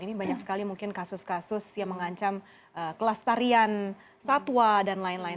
ini banyak sekali mungkin kasus kasus yang mengancam kelestarian satwa dan lain lain